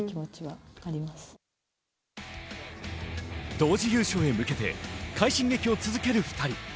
同時優勝へ向けて快進撃を続ける２人。